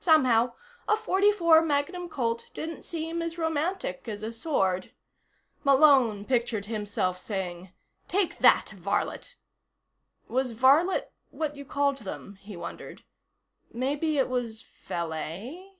Somehow, a .44 Magnum Colt didn't seem as romantic as a sword. Malone pictured himself saying: "Take that, varlet." Was varlet what you called them, he wondered. Maybe it was valet.